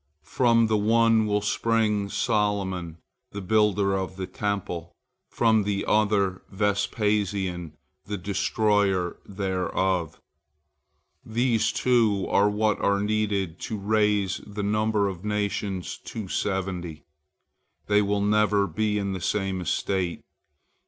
From the one will spring Solomon, the builder of the Temple, from the other Vespasian, the destroyer thereof. These two are what are needed to raise the number of nations to seventy. They will never be in the same estate.